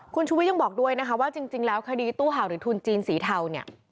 คุณชุวิตยังบอกด้วยนะคะว่าจริงแล้วคดีตู้เห่าหรือทุนจีนสีเทาเนี่ย